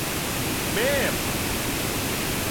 เมพ !